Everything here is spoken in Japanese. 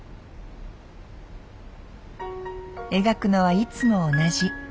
描くのはいつも同じ。